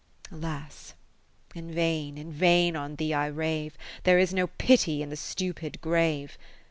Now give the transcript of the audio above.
Alas ! in vain, in vain on thee I rave ; There is no pity in the stupid grave.